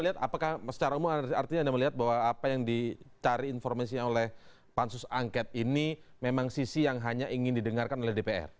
apakah secara umum artinya anda melihat bahwa apa yang dicari informasinya oleh pansus angket ini memang sisi yang hanya ingin didengarkan oleh dpr